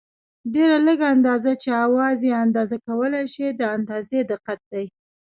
ډېره لږه اندازه چې اوزار یې اندازه کولای شي د اندازې دقت دی.